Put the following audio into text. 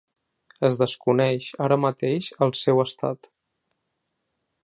Es desconeix, ara mateix, el seu estat.